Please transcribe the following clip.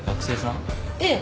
ええ。